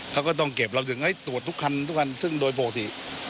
เขาก็ต้องเก็บเราถึงตรวจทุกคันทุกคันซึ่งโดยปกติ